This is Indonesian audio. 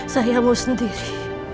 saya mau sendiri